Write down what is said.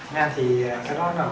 nga thì sẽ nói là